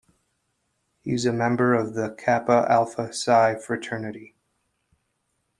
He is a member of Kappa Alpha Psi fraternity.